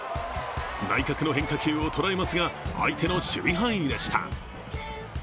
内角の変化球を捉えますが、相手の守備範囲でした。